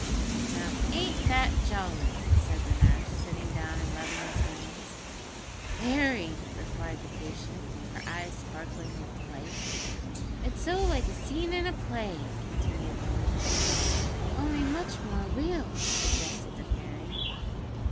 "Now, ain't that jolly?" said the nurse, sitting down and rubbing his hands. "Very!" replied the patient, her eyes sparkling with delight. "It's so like a scene in a play," continued Willie. "Only much more real," suggested the fairy.